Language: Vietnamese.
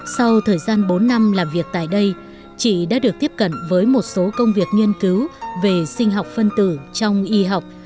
sau thời gian bốn năm làm việc tại đây chị đã được tiếp cận với một số công việc nghiên cứu về sinh học phân tử trong y học